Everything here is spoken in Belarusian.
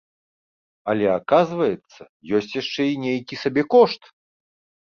Але аказваецца, ёсць яшчэ і нейкі сабекошт!